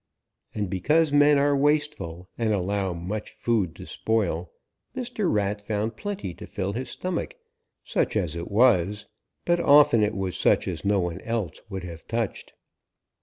And because men are wasteful and allow much food to spoil, Mr. Rat found plenty to fill his stomach, such as it was, but often it was such as no one else would have touched.